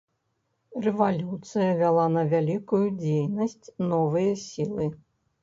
Рэвалюцыя вяла на вялікую дзейнасць новыя сілы.